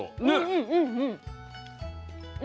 うんうんうんうん。